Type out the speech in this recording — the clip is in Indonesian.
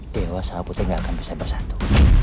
dewa sama putri tidak akan bisa bersatu